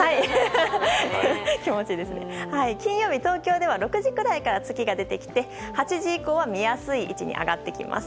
金曜日、東京では６時くらいから月が出てきて８時以降は見やすい位置に上がってきます。